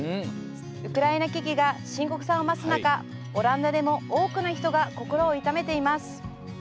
ウクライナ危機が深刻さを増す中オランダでも多くの人が心を痛めています。